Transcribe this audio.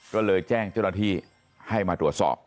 ก็เลยแจ้งเจ้าหน้าที่ให้มาตรวจสอบ